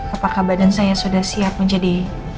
apakah badan saya sudah siap menjadi